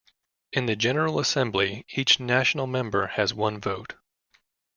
In the General Assembly, each national member has one vote.